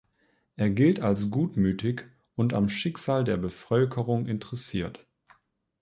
Er gilt als gutmütig und am Schicksal der Bevölkerung interessiert.